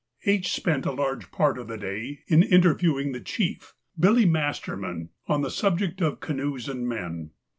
_—H. spent a large part of the day in interviewing the chief, 'Billy Masterman,' on the subject of canoes and men.